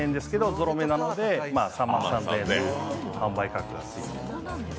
ゾロ目なので３万３０００円という販売価格がついています。